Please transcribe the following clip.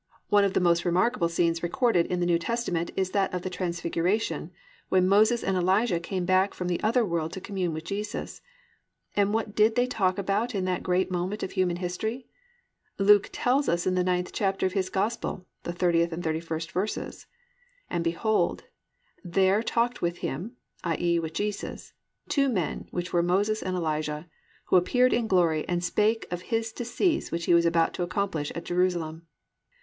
"+ 4. One of the most remarkable scenes recorded in the New Testament is that of the transfiguration, when Moses and Elijah came back from the other world to commune with Jesus. And what did they talk about in that great moment of human history? Luke tells us in the 9th chapter of his Gospel, the 30th and 31st verses, +"And behold, there talked with Him+ (i.e., with Jesus) +two men, which were Moses and Elijah: who appeared in glory, and spake of His decease which He was about to accomplish at Jerusalem."